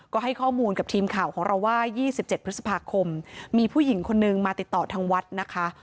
ก็ให้ข้อมูลกับทีมข่าวของเราว่า๒๗พฤษภาคมมีผู้หญิงคนนึงมาติดต่อทางวัดนะคะ